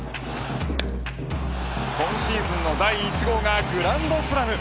今シーズンの第１号がグランドスラム。